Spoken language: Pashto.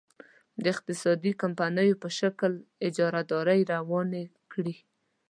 د اقتصادي کمپنیو په شکل اجارادارۍ روانې کړي.